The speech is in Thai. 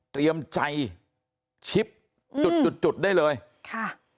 เตรียมใจชิปจุดจุดจุดได้เลยค่ะ